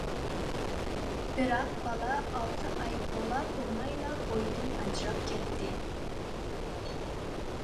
بىراق، بالا ئالتە ئاي بولا-بولمايلا بويىدىن ئاجراپ كەتتى.